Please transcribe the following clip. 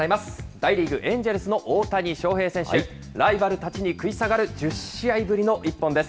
大リーグ・エンジェルスの大谷翔平選手、ライバルたちに食い下がる、１０試合ぶりの一本です。